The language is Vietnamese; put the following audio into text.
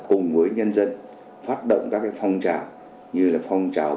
cùng với nhân dân phát động các phong trào như là phong trào ba